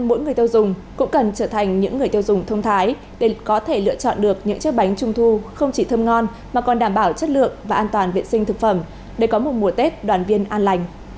mỗi người tiêu dùng cũng cần trở thành những người tiêu dùng thông thái để có thể lựa chọn được những chiếc bánh trung thu không chỉ thơm ngon mà còn đảm bảo chất lượng và an toàn vệ sinh thực phẩm để có một mùa tết đoàn viên an lành